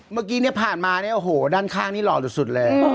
เมื่อกี้เนี่ยผ่านมาเนี่ยโอ้โหด้านข้างนี่หล่อสุดเลย